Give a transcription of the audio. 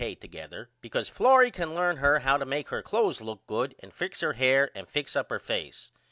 K. together because Florrie can learn her how to make her cloths look good and fix her hair and fix up her face.